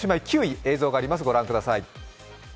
映像があります、ご覧ください。